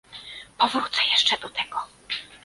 Powrócę jeszcze do tego